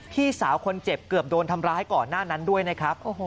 พี่สาวคนเจ็บเกือบโดนทำร้ายก่อนหน้านั้นด้วยนะครับ